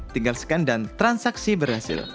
tinggal scan dan transaksi berhasil